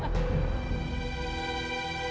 nggak mau dengar